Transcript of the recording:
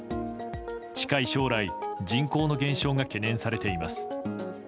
近い将来、人口の減少が懸念されています。